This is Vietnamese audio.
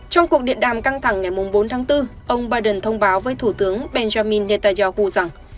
trong cuộc điện đàm căng thẳng ngày bốn tháng bốn ông biden thông báo với thủ tướng benjamin netanyahu rằng